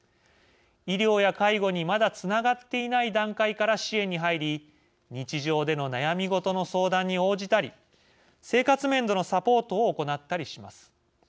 医療や介護にまだつながっていない段階から支援に入り日常での悩み事の相談に応じたり生活面でのサポートを行ったりします。